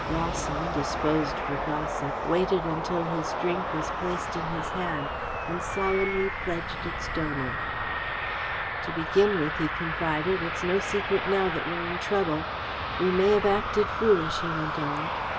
Rawson, disposed for gossip, waited until his drink was placed in his hand and solemnly pledged its donor. "To begin with," he confided, "it's no secret now that we're in trouble. We may have acted foolish," he went on.